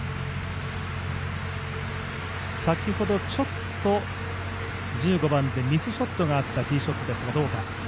先ほど、ちょっと１５番でミスショットがあったティーショットですが、どうか。